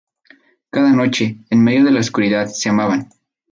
Cada noche, en medio de la oscuridad, se amaban.